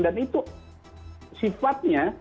dan itu sifatnya